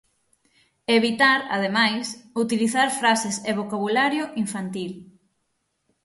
Evitar, ademais, utilizar frases e vocabulario infantil.